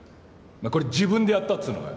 これ自分でやったっつうのかよ？